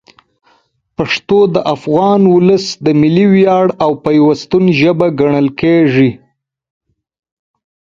پښتو د افغان ولس د ملي ویاړ او پیوستون ژبه ګڼل کېږي.